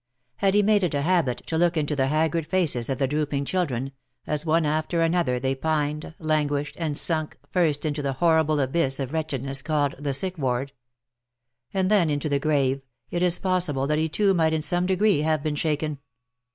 Had he made it a habit to look into the haggard faces of the drooping children, as one after another they pined, languished, and sunk, first into the horrible abyss of wretched ness called the sick ward, and then into the grave, it is possible that he too might in some degree have been shaken.